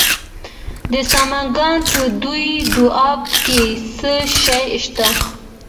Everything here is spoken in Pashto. د سمنګان په روی دو اب کې څه شی شته؟